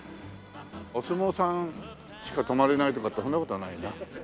お相撲さんしか泊まれないとかってそんな事はないよな。